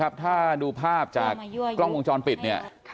เพื่อดูภาพจากกล้องวงจรปิดค่ะ